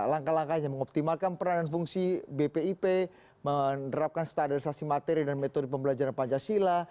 langkah langkahnya mengoptimalkan peranan fungsi bpip menerapkan standardisasi materi dan metode pembelajaran pancasila